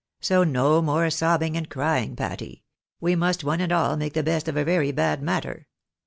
So no more sobbing and crying, Patty. We must one and all make the best of a very bad matter.